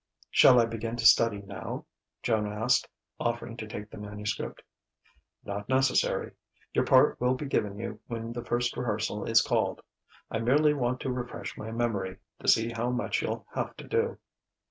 "Shall I begin to study now?" Joan asked, offering to take the manuscript. "Not necessary. Your part will be given you when the first rehearsal is called. I merely want to refresh my memory, to see how much you'll have to do."